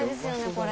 これ。